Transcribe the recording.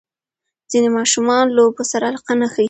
ځینې ماشومان لوبو سره علاقه نه ښیي.